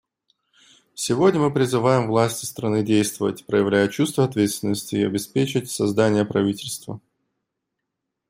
Сегодня мы призываем власти страны действовать, проявляя чувство ответственности, и обеспечить создание правительства.